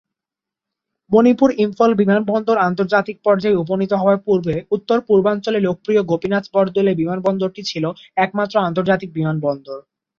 মনিপুর ইম্ফল বিমানবন্দর আন্তর্জাতিক পর্যায়ে উপনীত হওয়ার পূর্বে উত্তর পূর্বাঞ্চলে লোকপ্রিয় গোপীনাথ বরদলৈ বিমানবন্দরটি ছিল একমাত্র আন্তর্জাতিক বিমান বন্দর।